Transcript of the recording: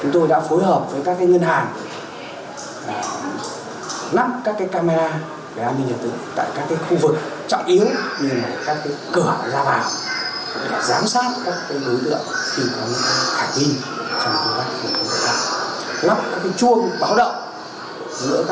chúng tôi đã phối hợp với các ngân hàng nắp các camera để an ninh nhật tự tại các khu vực